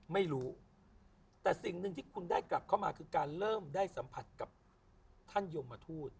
ไม่รู้แต่สิ่งหนึ่งที่คุณได้กลับเข้ามาคือการเริ่มได้สัมผัสกับท่านยมทูต